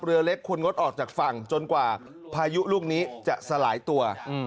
เรือเล็กคุณงดออกจากฝั่งจนกว่าพายุลูกนี้จะสลายตัว